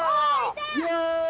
イエイ！